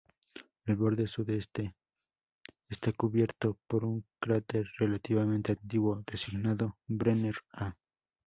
El borde sudeste está cubierto por un cráter relativamente antiguo designado "Brenner A".